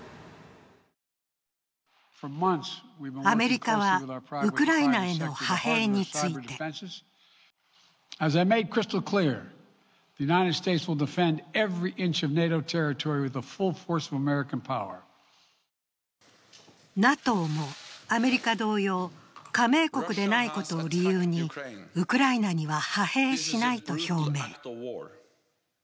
アメリカはウクライナへの派兵についてＮＡＴＯもアメリカ同様、加盟国でないことを理由にウクライナには派兵しないと表明。